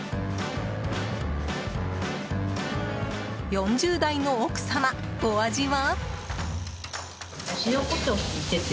４０代の奥様、お味は？